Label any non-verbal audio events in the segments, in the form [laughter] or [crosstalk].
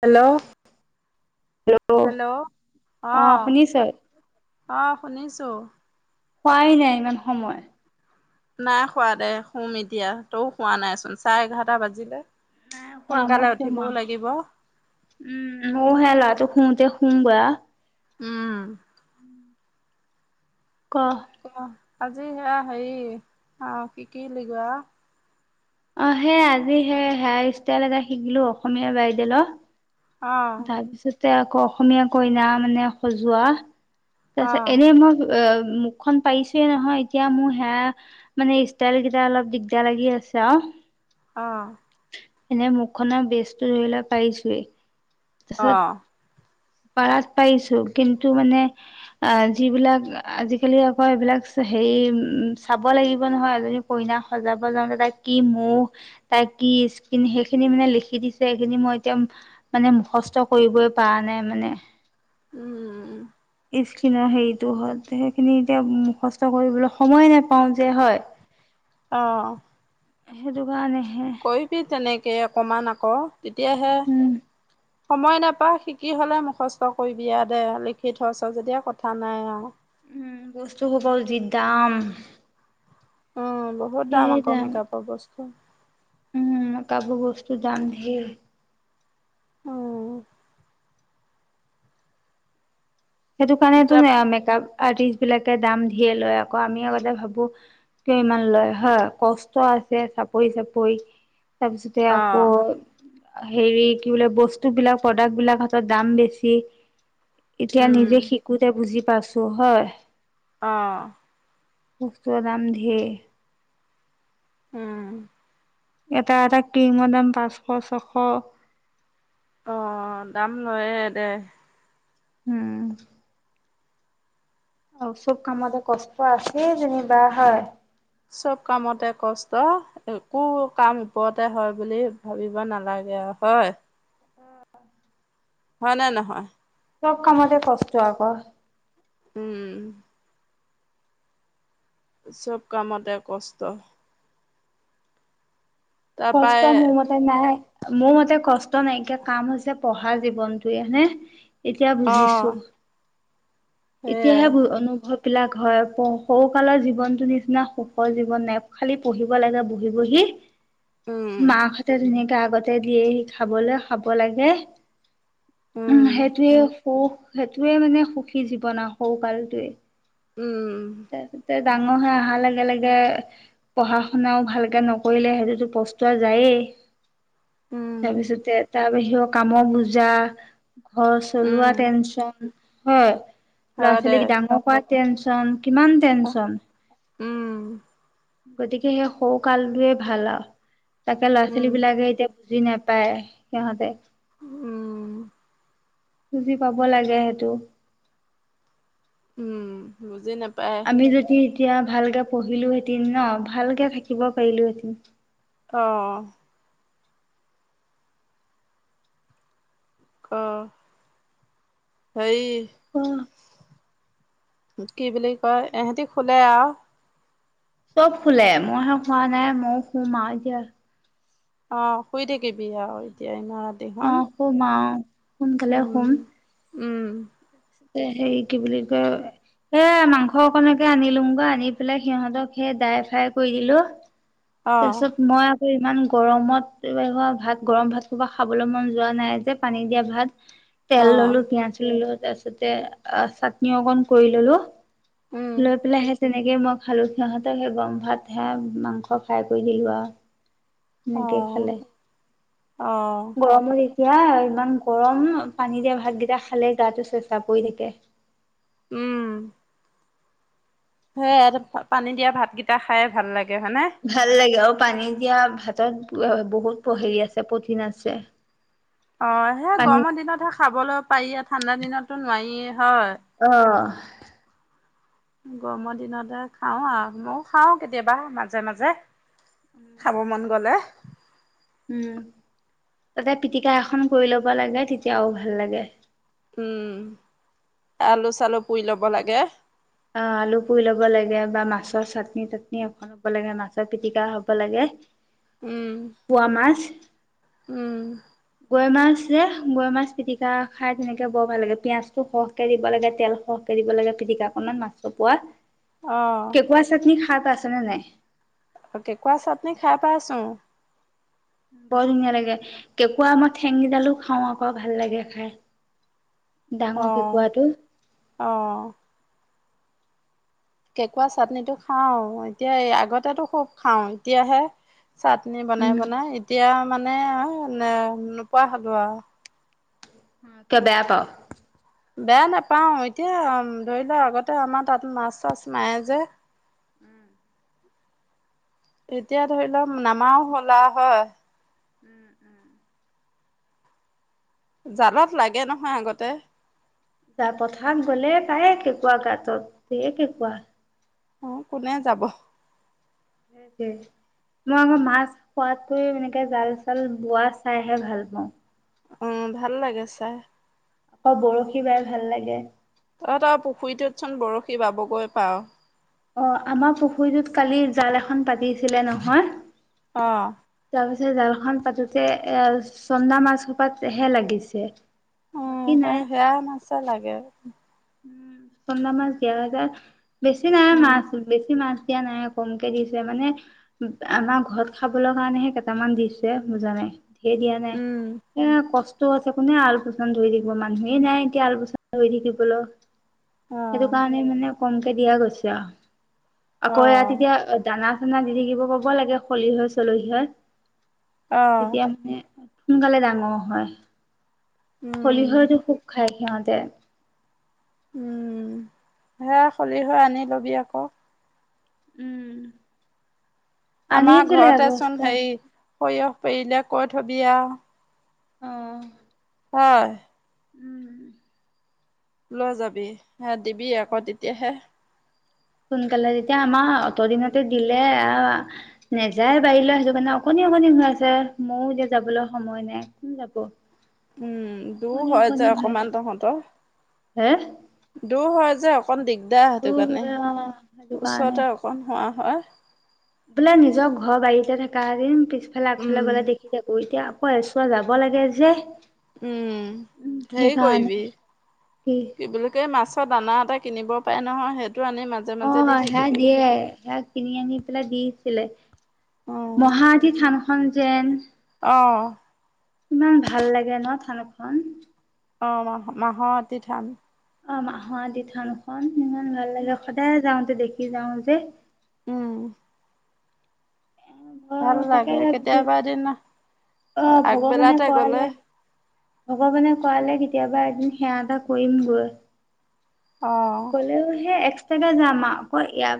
Hello hello অ' অ', শুনিছো খোৱাই নাই ইমান সময়। নাই খোৱা দে শুম এতিয়া তই খোৱা নাইচোন চাৰে এঘাৰটা বাজিলে। নাই খোৱা ম সোনকালে শুমা উঠিবও লাগিব উম ম হলা তো শু এয়া সুম বা উম [inaudible] কাহ আজি সেয়া হেৰি অ কি কি লিগোৱা। অ সেই আজি সেই হেয়াৰ ষ্টাইল এটা শিকিলো অসমীয়া বাইডেলৰ। আহঁ। তাৰপিছতে আকৌ অসমীয়া কইনা মানে সজোৱা। তছ অঁ এনে মই অ মুখখনন পাৰিছোয়ে নহয় এতিয়া মোৰ হেয়াৰ মানে ষ্টাইল কেইটা অলপ দিগদাৰ লাগি আছে আৰু। আহ এনে মুখনৰ বেস্তটো ধৰি ল পাৰিছোৱেই। আহ পত পাৰিছো কিন্তু মানে আহ যিবিলাক আজিকালি আকৌ এইবিলাক হেৰি উম চাব লাগিব নহয় এজনি কইনাক সজাব যাওঁতে তাই কি মহ তাই কি স্কিন সেইখিনি মানে লিখি দিছে সেইখিনি মই এতিয়া মানে মুখস্তই কৰিবই পৰা নাই মানে উম স্কিনৰ হেৰিটো হল সেইখিনি এতিয়া মুখস্থ কৰিবলৈ সময় নোপাও যে হয়। আহ সেইটো কাৰণে কৈবি তেনেকে অকমান আকৌ তেতিয়াহে। উম সময় নাপা শিকি হলে মুখস্থ কৰিবি দে লিখি থচ যেতিয়া কথা নাই আৰু উম বস্তু হ'ব যি দাম। উম বহুত দাম আকৌ মেকআপৰ বস্তু। উম কাবু বস্তু দাম ধেই। অ সেইটো কিতাপ কাৰণে মেকআপ আৰ্টিষ্ট বিলাক দাম ধিয়ে লয় আক আমি আ ভাবো কিয় ইমান লয় হয় কষ্ট আছে চাপৰি চাপৰি। তাৰপিছতে অঁ আকৌ হেৰি কি বোলে বস্তুবিলাক প্ৰডাক্ট বিলাক হেতৰ দাম বেছি। এতিয়া উম নিজে শিকোতে বুজি পাছো হয়। আহ বস্তুৰৰ দাম ধেই। উম। এটা এটা কিংৰ দাম পাঁচশ ছশ। অ দাম লয়ে দে। উম অ চব কামতে কষ্ট আছে যেনিবা হয়। চব কামতে কষ্ট একো কাম ওপৰতে হয় বুলি ভাবিব নালাগে আৰু হয়। হয় নে নহয়? চব কামতে কষ্ট আকৌ। উম। চব কামতে কষ্ট। তাৰপৰাই কষ্ট মোৰ মতে নাই মোৰ মতে। তে কষ্ট নাইকিয়া কাম হৈছে পঢ়া জীৱনটোৱে হয়নে এতিয়া অঁ বুজিছো। এতিয়াহে সেয়াই অনুভৱ। বিলাক হয় সৰুকালৰ জীৱনটো নিচিনা সুখৰ জীৱন নাই খালি পঢ়িব লাগে বহি বহি। উম মা [unintelligible] গা আগতে দিয়েহি খাবলে খাব লাগে। উম সেইটোৱেও সৌ সেইটোৱে মানে সুখী জীৱন সৰু কালটোৱে। উম ত। ডাঙৰ হৈ অহাৰ লগে লগে পঢ়া শুনাও ভালকে নকৰিলে সেইটোতো পস্তুৱ যায়েই। উম তাৰপিছতে তাৰ বাহিৰে কামৰ বুজা। ঘৰ উম চলোৱা টেনচন। হয় ল'ৰা হয় দে ছোৱালীক ডাঙৰ কৰাত টেনচন কিমান টেনচন। উম। গতিকে সেই সৌকালটোৱে ভাল আও। তাকে ল'ৰা উম ছোৱালী বিলাকে এতিয়া বুজি নাপায় সিহঁতে উম। বুজি পাব লাগে সেইটো। উম বুজি নাপায়। আমি যদি এতিয়া ভালকে পঢ়িলো হেটিন ন ভালকে থাকিব পাৰিলো অ। আহ সেই অ। কি বুলি কয়, এহেঁতি শুলে আও। চব শুলে মইহে শুৱা নাই মইও শুম আও এতিয়া। অ শুই থাকি অ সুম আহ সোনকালে সুম। উম উম। হেৰি কি বুলি কয়, এ মাংস অকণকে আনিলো বা আনি পেলাই সিহঁতক সেই ড্ৰাই ফ্ৰাই কৰি দিলো। অ তাৰপিছত মই ইমান গৰমত হোৱা ভাত গৰম ভাত হুপা খাবলে মন যোৱা নাই, যে পানী দিয়া ভাত। অ তেল ললো পিঁয়াজ ললো তাতে অ চাটনি অকণ কৰি ললো উম লৈ পেলাই হে তেনেকেই মই খালোঁ, সিহঁতৰ সেই গৰম ভাত হেয়াই মাংস ফ্ৰায় কৰি দিলোঁ আও। অ সেনেকেই খালে [unintelligible] অ এয়া ইমান গৰম পানী দিয়া ভাতকেইটা খালে গাতটো চ চ পৰি থাকে। উম। সে পানী দিয়া ভাতকেইটা খাই ভাল লাগে। হয়নে ভাল লাগে অ'। পানী দিয়া ভাতত বহুত হেৰি আছে পঠিন আছে। অ', সেয়া পানী গৰমৰ দিনতে খাবলৈ পাৰি ঠাণ্ডা দিনতো নোৱাৰিয়ে। হয় অ'। গৰমৰ দিনতে খাওঁ আহ, ময় খাওঁ কেতিয়াবা মাজে মাজে। খাব মন গ'লে। উম, তাতে পিটিকা এখন কৰি ল'ব লাগে তেতিয়াও ভাল লাগে। উম, আলু চালু পুৰি ল'ব লাগে। অ', আলু পুৰি ল'ব লাগে বা মাছৰ চাটনি তাটনি এখন ল'ব লাগে, মাছৰ পিটিকা হ'ব লাগে। উম পোৱা মাছ উম। গৈ মাছে গৈ মাছ পিটিকা খাই তেনেকে বৰ ভাল লাগে পিয়াজ টো সৰহকে দিব লাগে তেল সৰহকে দিব লাগে পিতিকা কনত মাছৰ পোৱা অ কেকুৱা চাতনি শাত আছে নে নাই। কেকুৱা চাটনি খাই পাইচোন। বৰ ধুনীয়া লাগে কেঁকুৰা মই ঠেঙিডালো খাওঁ আকৌ ভাল লাগে খাই। অ ডাঙৰ কেকুৱাটো অ কেকুঁৱা চাটনিটো খাওঁ এতিয়া এই আগতেটো খুব খাওঁ এতিয়াহে। চাটনি বনাই, উম, বনাই এতিয়া মানে ন' নোপোৱা হ'লো আৰু অ', কে বেয়া পাওঁ? বেয়া নাপাও এতিয়া ধৰি ল' আগতে আমাৰ তাত মাছ চাছ মায়ে যে এতিয়া ধৰি লওঁক নামাও হ'লা হয়। উম, উম। জালত লাগে নহয় আগতে। গা পথাৰ গ'লে তায়ে কে কা গাতত দে কেকুৱা অ', কোনে যাব। মই আকৌ মাছ খোৱাতক এনেকে জাল চাল বোৱা চাইহে ভাল পাওঁ। উম, ভাল লাগে ছাৰ। আকৌ বৰশী বাই ভাল লাগে। তহঁতৰ আৰু পুখুৰীটোতচোন বৰশী বাবগৈ পাওঁ। অ', আমাৰ পুখুৰীটোত কালি জাল এখন পাতিছিলে নহয়। অ'। তাৰ পিছত জালখন পাতোতে এ, চন্দা মাছ সোপাতহে লাগিছে। উম, বাকী সে নাই। সেয়া মাছছে লাগে। উম, চধা মাছ দিয়া যায় যে। বেছি নাই উম, মাছ, বেছি মাছ এতিয়া নাই কমকে দিছে মানে আমাৰ ঘৰত খাবলৈ কাৰণেহে কেইটামান দিছে বুজা নাই। সেই দিয়া নাই উম, এ কষ্ট আছে কোনে আলপুচান ধৰি থাকিব মানুহে নাই এতিয়া আলপুচান ধৰি থাকিবলৈ [inaudible] সেইটো অ', কাৰণে মানে কমকে দিয়া গৈছে আৰু আকৌ ইয়াত অ', এতিয়া দানা নাই দি থাকিব কব লাগে সলিহ, চলহীয়াৰ অ', তেতিয়া মানে সোনকালে ডাঙৰ হয়। উম, সলিহতো খোব খায় ইহঁতে উম সেয়া খলিহ আনি লবি আকৌ উম আমাৰ আনিছিলে ঘৰতেচোন বস্তা। হেই সৰিয়হ পাৰিলে কই থবি আওঁ অহঁ হয় লৈ যাবি হা দিবি আকৌ তেতিয়াহে সোনকালে তেতিয়া আমাৰ অত দিনতে দিলে আহ নেযায় বাৰিলৈ সেটোকাৰণে অকণনি অকণনি হৈ আছে ময়ো এতিয়া যাবলৈ সময় নাই কোন যাব। উম দূৰ অকণি হয় যে অকণি হৈ অকণমান আছে তহঁতৰ হে দূৰ হয় যে যাক অকণ দিগদাৰ সেইটো দূৰ কাৰণে হয় অ সেইটো কাৰণে ওচৰতে অকণ হোৱা হয়- বোলে নিজৰ ঘৰ বাৰিতে থকা হেতিন তে এফালে আগফালে উম, গলে দেখি থাকোঁ এতিয়া কৈ আছোঁ আও যাব লাগে যে উম উম হেৰি সেইকাৰণে কৰিবি কি বুলি কৈ মাছ দানা এটা কিনিব পাৰে নহয় সেইটো আনি মাজে মাজে অহ দি হিয়াক থাকিবি। দিয়ে হিয়াক কিনি আনি কিনে দি ছিলে উম মহাজি থানখন যেন অঁহ ইমান ভাল লাগে ন থানখন। অ মাহ মাহৰ অতি ধান। অঁ মাহৰ আদি থানখন। ইমান ভাল লাগে সদায় যাওঁতে দেখি যাওঁ যে উম ভাল তাকে লাগে ভাবিছো কেতিয়াবা এদিন অ ভগৱানে আগবেলাতে গ'লে কোৱালে ভগৱানে কোৱালে কি কেতিয়াবা এদিন সেৱা এটা কৰিম গৈ অহ ক'লেও হে এক সেনেকে যাম আ আকৌ ইয়াৰ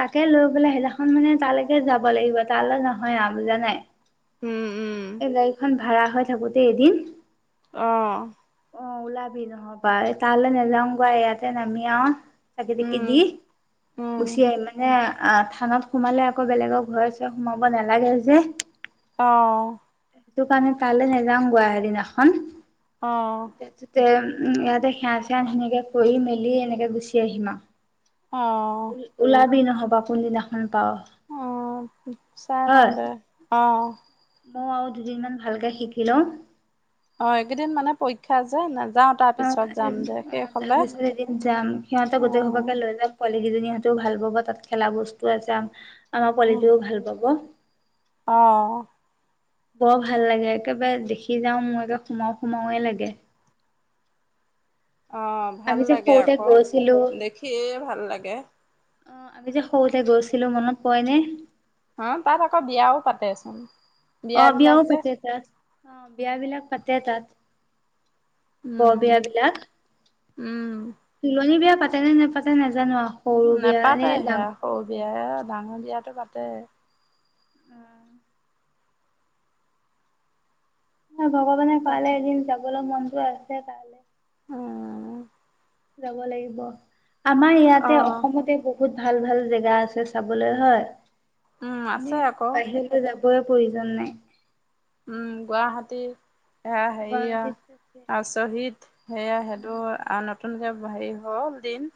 তাকে লৈ পাই সেইদিনাখন মানে তালৈকে যাব লাগিব তালৈ নহয় আ বুজা নাই উম উম এই গাড়ী খন ভাড়া হৈ থাকোতে এদিন অহ অ ওলাবি নহবা তাহলে নাযাওঁ গ ইয় তে নামি আও চাকি তাকি উম দি উম গুচি আহিম মানে আহ থানত সোমালে আকৌ বেলেগৰ ঘৰে চৰে সোমাব নালাগে যে অহ সেইটো কাৰণে তালে নাযাওঁ গে আও সেই দিনাখন অহ তাচতে উম এয়াতে সেৱা চেয়া তেনেকে কৰি মেলি মেলি এনেকে গুচি আহিম অহ আ ওলাবি নহয় অ কোনদিনাখন পাৱ উম চাই লওঁ দে অ মই আৰু দুদিনমান ভালকে শিকিলও অ এইকেইদিন মানে পৰীক্ষা যে সেই কাৰণে অ অ তাৰ পিছত এদিন যাম সিহঁত গোটেই সবাকে অহ লৈ যাম প সেইকেইজনী হতেও ভাল পাব তাত খেলা বস্তু আ যাম আমাৰ পোৱালিটোও ভাল পাব অ'। বৰ ভাল লাগে, একেবাৰে দেখি যাওঁ, মোৰ একে সোমাও সোমাওয়েই লাগে। অ' ভাল আমি যে লাগে সৰুতে আকৌ, গৈছিলো দেখিয়ে ভাল লাগে। অ' আমি যে সৰুতে গৈছিলো, মনত পৰে নে? অ', তাত আকৌ বিয়াও পাতেচোন, অ বিয়া বিলাক বিয়াও যে। পাতে তাত অ', বিয়াবিলাক পাতে তাত। বৰ উম বিয়া বিলাক। উম। তুলনি বিয়া পাতে নে নাপাতে নাজান নাজানো আৰু সৰু বিয়া নে ডাং বিয়া, ডাঙৰ বিয়াটো পাতে। উম। ভগৱানে তাত কোৱালে এদিন যাবলৈ মন টো আছে তালে। উম যাব লাগিব। আমাৰ ইয়াতে অঁ অসমতে বহু বহুত ভাল-ভাল জেগা আছে চাবলৈ হয়? উম আমি আছে আকৌ বাহিৰলৈ যাব ৱেই প্ৰয়োজন নাই। উম, গুৱাহাটী সেয়া হেৰিঅ, গুৱাহাটীত আছে। আৰু শ্বহীদ, সেয়া সেইটো আনঅ নতুন যে ব-হেৰি হ'ল দিন।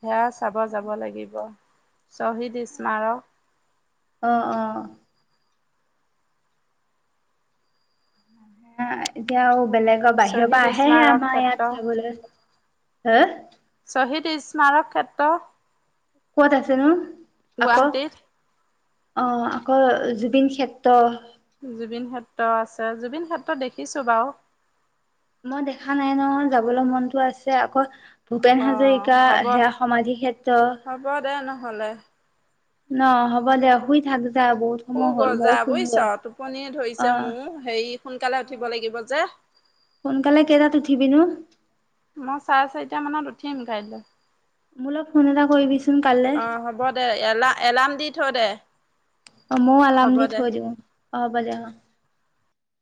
সেয়া চাব যাব লাগিব। শ্বহীদ ইছমাৰক। অ', অ'। মানুহে এতিয়া আৰু বেলেগৰ বাহিৰৰ পৰা শ্বহীদ আহেহে স্মাৰক আমাৰ ইয়াত ক্ষেত্ৰ চাবলৈ। হা? শ্বহীদ ইছমাৰক ক্ষেত্ৰ। ক'ত আছেনো? আকৌ গুৱাহাটীত। অ', আকৌ জুবিন ক্ষেত্ৰ। জুবিন ক্ষেত্ৰ আছে, জুবিন ক্ষেত্ৰ দেখিছো বাৰু। মই দেখা নাই নহয়, যাবলৈ মনতো আছে, আকৌ ভূপেন অ' হাজৰিকা, হ'ব সেয়া সমাধি ক্ষেত্ৰ হ'লেই। ন? হ'ব দে শুই থাক। যা বহুত সু সময় হ'ল গজা ময়ো বুজিছ শুমগৈ টোপনিয়ে অ ধৰিছে মোৰ। হেৰি সোনকালে উঠিব লাগিব যে। সোনকালে কেইটাত উঠিবিনো মই চাৰে চাৰিটা মানত উঠিম কাইলে। মোলৈ ফোন এটা কৰিবিচোন কাইলৈ অ হ'ব দে, এল এলাৰ্ম দি থৈ দে। অ মইয়ো এলাম হ'ব দি দে থৈ দিওঁ। অ হ'ব দে। অ।